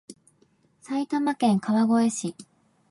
埼玉県川越市